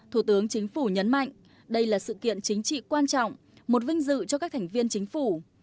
thủ tướng chính phủ nhấn mạnh đây là sự kiện chính trị quan trọng một vinh dự cho các thành viên chính phủ